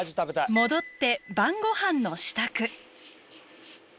戻って晩ごはんの支度。